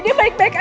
dia baik baik saja